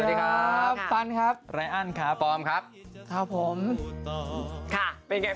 สวัสดีครับฟันครับไรอันครับปลอมครับครับผมค่ะเป็นไง